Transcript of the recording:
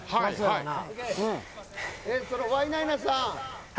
ワイナイナさん。